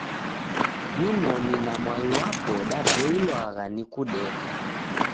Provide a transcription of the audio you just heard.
Nimoni na mwai wapo daboilwagha ni kudeka.